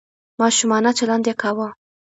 ماشومانه چلند یې کاوه .